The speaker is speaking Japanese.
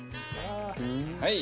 はい！